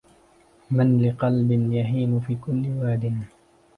من لقلب يهيم في كل وادي